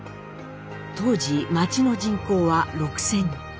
当時町の人口は６，０００。